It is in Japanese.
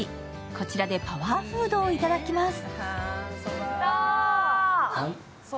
こちらでパワーフードを頂きます。